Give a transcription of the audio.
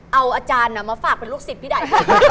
เอาอาจารย์มาฝากเป็นลูกศิษย์พี่ได